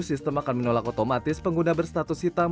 sistem akan menolak otomatis pengguna berstatus hitam